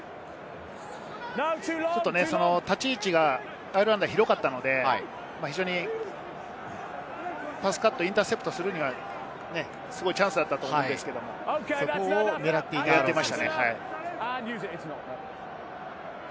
ちょっと立ち位置がアイルランドは広かったので、パスカット、インターセプトするにはチャンスだったと思うんですけれど、そこを狙っていました。